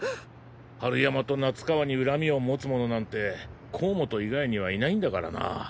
春山と夏川に恨みを持つ者なんて甲本以外にはいないんだからな。